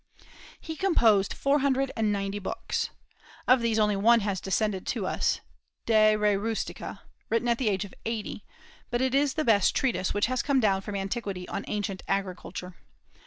He composed four hundred and ninety books. Of these only one has descended to us entire, "De Re Rustica," written at the age of eighty; but it is the best treatise which has come down from antiquity on ancient agriculture.